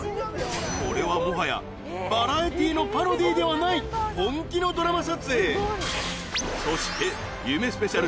これはもはやバラエティーのパロディーではないそして「夢スペシャル」